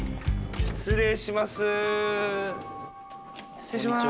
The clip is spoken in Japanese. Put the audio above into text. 失礼します。